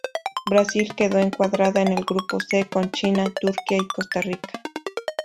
Brasil quedó encuadrada en el grupo C con China, Turquía y Costa Rica.